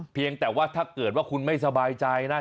เพียงแต่ว่าถ้าเกิดว่าคุณไม่สบายใจนะ